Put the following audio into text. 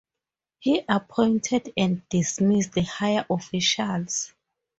He appointed and dismissed higher officials.